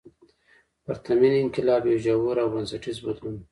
پرتمین انقلاب یو ژور او بنسټیز بدلون و.